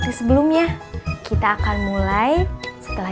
ini bu minuman ya